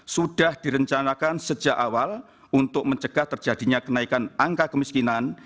sudah direncanakan sejak awal untuk mencegah terjadinya kenaikan angka kemiskinan